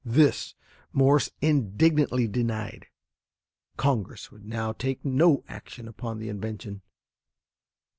This Morse indignantly denied. Congress would now take no action upon the invention.